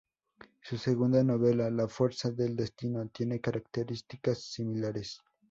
Su segunda novela, "La fuerza del destino", tiene características similares.